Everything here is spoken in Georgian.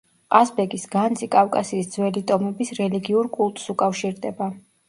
ყაზბეგის განძი კავკასიის ძველი ტომების რელიგიურ კულტს უკავშირდება.